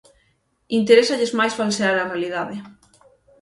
Interésalles máis falsear a realidade.